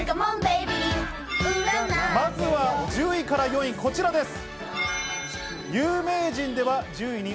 まずは１０位から４位こちらです。